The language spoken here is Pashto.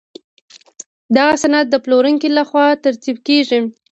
دغه سند د پلورونکي له خوا ترتیب کیږي.